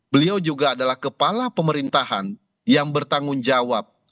beliau juga adalah kepala pemerintahan yang bertanggung jawab